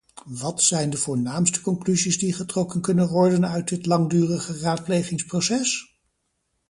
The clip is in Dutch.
Wat zijn de voornaamste conclusies die getrokken kunnen worden uit dit langdurige raadplegingsproces?